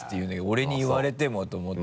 俺に言われてもと思って。